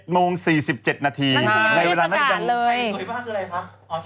๗โมง๔๗นาทีในเวลานั้นกันใครสวยมากอะไรคะ